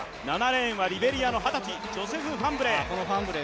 ７レーンはリベリアの二十歳ジョセフ・ファンブレー。